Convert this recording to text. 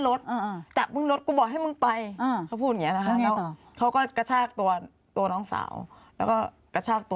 เราก็ขออนุญาตโทรศัพท์